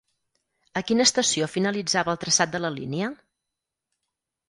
A quina estació finalitzava el traçat de la línia?